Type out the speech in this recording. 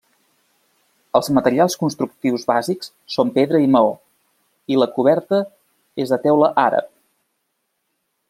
Els materials constructius bàsics són pedra i maó, i la coberta és de teula àrab.